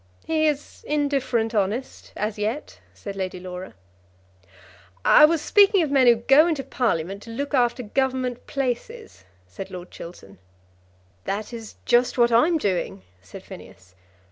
"He is indifferent honest, as yet," said Lady Laura. "I was speaking of men who go into Parliament to look after Government places," said Lord Chiltern. "That is just what I'm doing," said Phineas.